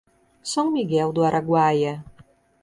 São Miguel do Araguaia